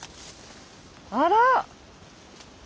あら！